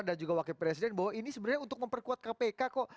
dan juga wakil presiden bahwa ini sebenarnya untuk memperkuat kpk kok